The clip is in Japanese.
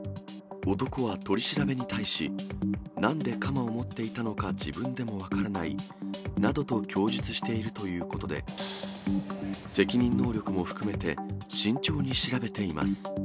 男は取り調べに対し、なんで鎌を持っていたのか自分でも分からないなどと供述しているということで、責任能力も含めて、慎重に調べています。